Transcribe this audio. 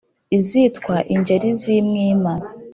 Izitwa Ingeri z' i Mwima,